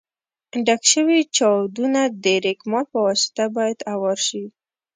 ډک شوي چاودونه د رېګمال په واسطه باید اوار شي.